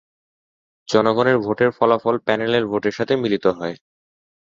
জনগণের ভোটের ফলাফল প্যানেলের ভোটের সাথে মিলিত হয়।